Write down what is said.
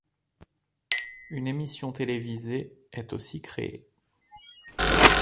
Une émission télévisée est aussi créée.